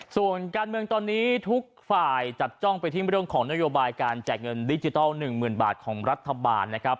ส่วนการเมืองตอนนี้ทุกฝ่ายจับจ้องไปที่เรื่องของนโยบายการแจกเงินดิจิทัล๑๐๐๐บาทของรัฐบาลนะครับ